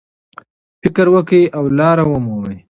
فکر وکړئ او لاره ومومئ.